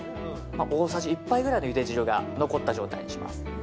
大さじ１杯ぐらいでゆで汁が残った状態にします。